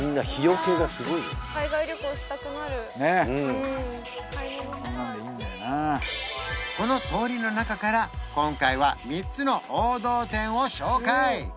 買い物したいこの通りの中から今回は３つの王道店を紹介